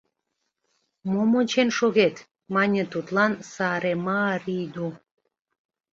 — Мом ончен шогет! — мане тудлан Сааремаа Рийду.